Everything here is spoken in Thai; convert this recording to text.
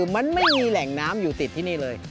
มันไม่มีแหล่งน้ำอยู่ติดที่นี่เลย